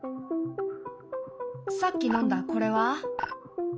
さっき飲んだこれは？